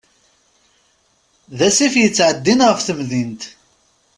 D asif yettεeddin ɣef temdint.